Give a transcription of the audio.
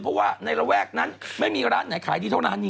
เพราะว่าในระแวกนั้นไม่มีร้านไหนขายดีเท่าร้านนี้